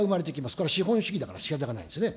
これ資本主義だからしかたがないですね。